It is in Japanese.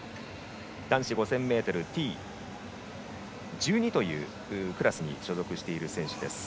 男子５０００ｍＴ１２というクラスに所属している選手です。